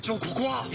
ここは？